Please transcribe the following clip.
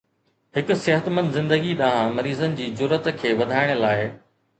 هڪ صحتمند زندگي ڏانهن مريضن جي جرئت کي وڌائڻ لاء